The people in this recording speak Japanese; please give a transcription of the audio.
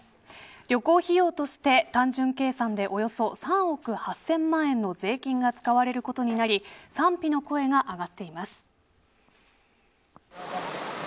旅行費用として単純計算でおよそ３億８０００万円の税金が使われることになり賛否の声が上がっています。